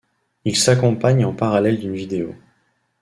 Il s'accompagne en parallèle d'une vidéo.